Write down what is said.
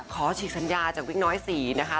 ฉีกสัญญาจากวิกน้อยศรีนะคะ